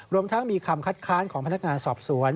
รวมทั้งมีคำคัดค้านของพนักงานสอบสวน